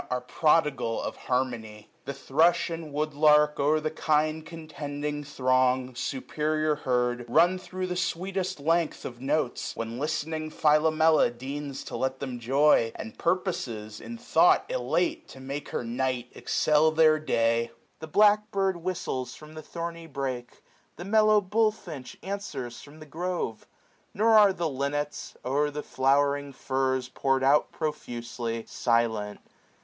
Are prodigal of harmony. The thrush 395 And wood lark, o^er the kind contending throng Superior heard, run t&ro' the sweetest length Of notes } when listening Philomela deigns 24 SPRING. To let them joy, and purposes, in thought £late> to make her night excel their day. 600 The black bird whistles from the thorny brake ; The mellow bullfinch answers from the grove : Nor are the linnets, o'er the flowering furze Pour'd out profusely, silent.